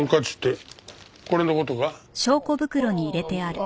ああ！